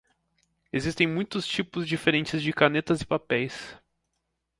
Existem muitos tipos diferentes de canetas e papéis.